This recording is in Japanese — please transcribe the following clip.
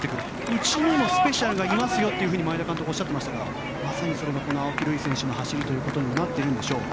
うちにもスペシャルがいますよと前田監督がおっしゃっていますがまさにそれが青木瑠郁選手の走りということになっているんでしょう。